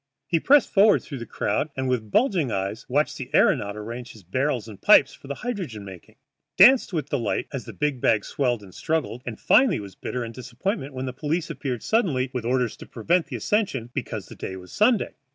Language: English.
He pressed forward through the crowd and, with bulging eyes, watched the aëronaut arrange his barrels and pipes for the hydrogen making, danced with delight as the great bag swelled and struggled, and finally was bitter in disappointment when the police appeared suddenly with orders to prevent the ascension, because the day was Sunday.